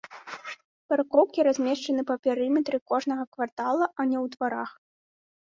Паркоўкі размешчаны па перыметры кожнага квартала, а не ў дварах.